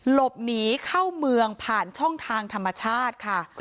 หลบหนีเข้าเมืองผ่านช่องทางธรรมชาติค่ะ